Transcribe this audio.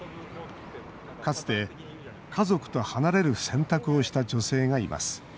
かつて、家族と離れる選択をした女性がいます。